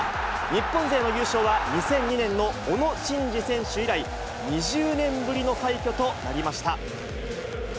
日本勢の優勝は２００２年の小野伸二選手以来、２０年ぶりの快挙となりました。